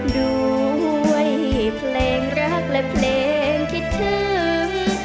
ดูไว้ให้เพลงรักและเพลงคิดถึง